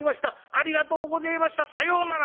ありがとうごぜえました。さようなら」。